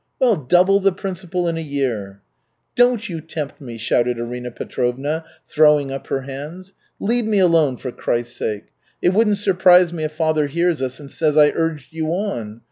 Well, double the principal in a year?" "Don't you tempt me!" shouted Arina Petrovna, throwing up her hands. "Leave me alone, for Christ's sake! It won't surprise me if father hears us and says I urged you on!